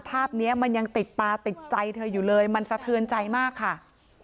ภาพนี้มันยังติดตาติดใจเธออยู่เลยมันสะเทือนใจมากค่ะ